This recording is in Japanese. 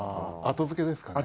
後付けですかね？